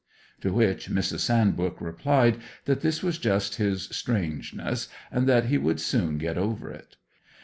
To which Mrs. Sandbrook replied that this was just his "strangeness," and that he would soon get over it.